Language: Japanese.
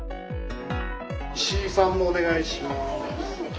・石井さんもお願いします。